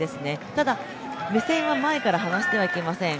ただ、目線は前から離してはいけません。